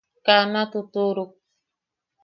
Kaa na tutuʼuruk.